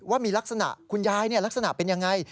ว่ามีลักษณะคุณยายลักษณะเป็นยังไง